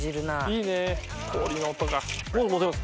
いいね氷の音が。